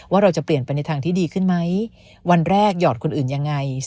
ว่าจะเปลี่ยนไปในทางที่ดีขึ้นไหมวันแรกหยอดคนอื่นยังไง